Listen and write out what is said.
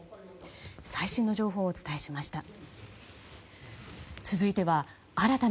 最新の情報をお伝えしました。